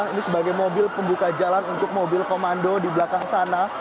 ini sebagai mobil pembuka jalan untuk mobil komando di belakang sana